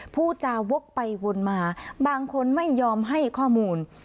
พูดจาวกไปวนมาบางคนไม่ยอมให้ข้อมูล